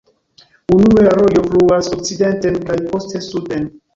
Unue la rojo fluas okcidenten kaj poste suden.